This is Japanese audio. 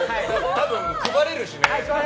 多分、配れるしね。